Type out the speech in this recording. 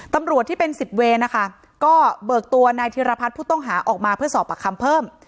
ตำรวจที่เป็นสิบเวรนะคะก็เบิกตัวนายธิรพัฒน์ผู้ต้องหาออกมาเพื่อสอบปากคำเพิ่ม